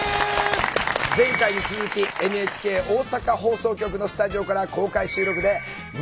前回に続きＮＨＫ大阪放送局のスタジオから公開収録でみんなで考えていきます。